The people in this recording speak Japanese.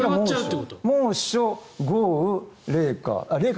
猛暑、豪雨、冷夏。